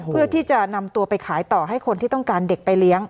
เพื่อที่จะนำตัวไปขายต่อให้คนที่ต้องการเด็กไปเลี้ยง